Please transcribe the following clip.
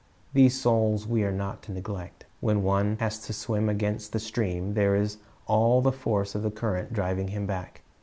These souls we are not to neglect. When one has to swim against the stream, there is all the force of the current driving him back.